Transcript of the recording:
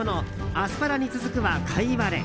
アスパラに続くはカイワレ。